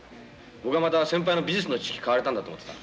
僕はまた先輩の美術の知識買われたんだと思ってた。